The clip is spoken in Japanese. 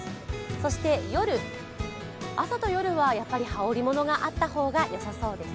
そして夜、朝と夜は羽織り物があった方がよさそうですね。